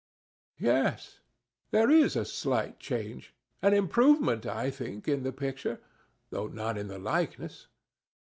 Yes; there is a slight change—an improvement, I think, in the picture, though none in the likeness.